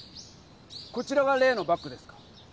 こちらが例のバッグですか？